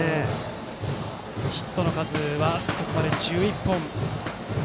ヒットの数はここまで１１本。